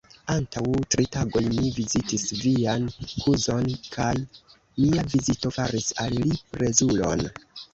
Antaŭ tri tagoj mi vizitis vian kuzon kaj mia vizito faris al li plezuron.